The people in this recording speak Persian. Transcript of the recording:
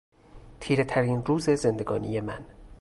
تیرهترین روز زندگانی من